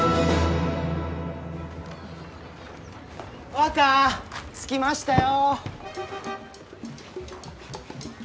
若着きましたよ！